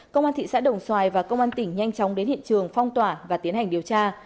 công an thị xã đồng xoài và công an tỉnh nhanh chóng đến hiện trường phong tỏa và tiến hành điều tra